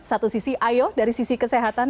satu sisi ayo dari sisi kesehatan